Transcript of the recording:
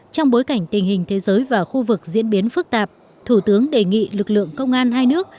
trong bối cảnh tình hình thế giới và khu vực diễn biến phức tạp thủ tướng đề nghị lực lượng công an hai nước